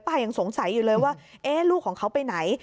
ยังสงสัยอยู่เลยว่าลูกของเขาไปไหน